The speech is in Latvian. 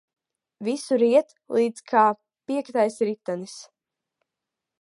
Visur iet līdz kā piektais ritenis.